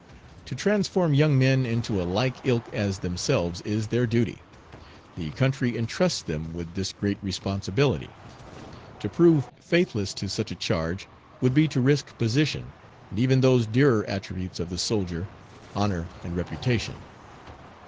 To transform young men into a like ilk as themselves is their duty. The country intrusts them with this great responsibility. To prove faithless to such a charge would be to risk position, and even those dearer attributes of the soldier, honor and reputation.